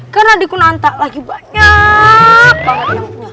karena di kunanta lagi banyak banget nyamuknya